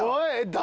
誰？